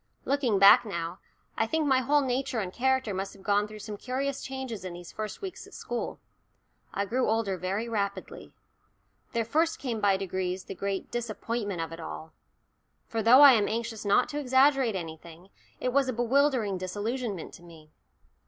Looking back now, I think my whole nature and character must have gone through some curious changes in these first weeks at school. I grew older very rapidly. There first came by degrees the great disappointment of it all for though I am anxious not to exaggerate anything, it was a bewildering "disillusionment" to me.